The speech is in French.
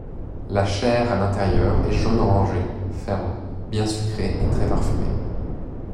La chair à l'intérieur est jaune orangé, ferme, bien sucrée et très parfumée.